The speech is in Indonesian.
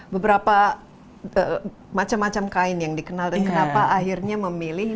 beberapa macam macam kain yang dikenal dan kenapa akhirnya memilih